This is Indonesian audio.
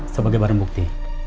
sebagai barang bukti